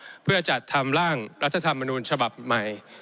เพื่อจัดทำร่างรัฐธรรมนูญฉบับใหม่